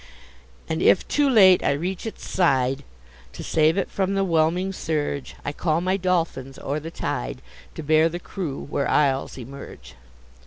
And if too late I reach its side To save it from the 'whelming surge, I call my dolphins o'er the tide, To bear the crew where isles emerge.